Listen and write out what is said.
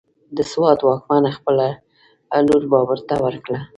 د سوات واکمن خپله لور بابر ته ورکړه،